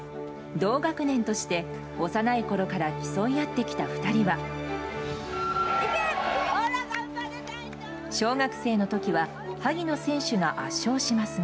同学年として幼いころから競い合ってきた２人は小学生の時は萩野選手が圧勝しますが。